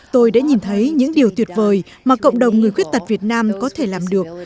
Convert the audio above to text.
tôi đã nhìn thấy những điều tuyệt vời mà cộng đồng người khuyết tật việt nam có thể làm được